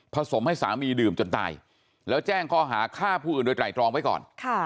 สมให้สามีดื่มจนตายแล้วแจ้งข้อหาฆ่าผู้อื่นโดยไตรตรองไว้ก่อน